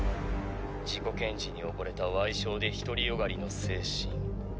自己顕示に溺れた矮小で独りよがりの精神。